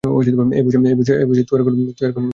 এ বয়সে তুই আর কোনো ছেলে খুঁজে পাবি না।